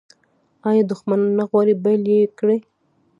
آیا دښمنان نه غواړي بیل یې کړي؟